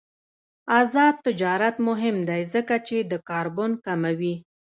آزاد تجارت مهم دی ځکه چې د کاربن کموي.